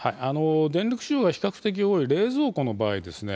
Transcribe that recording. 電力使用が比較的多い冷蔵庫の場合ですね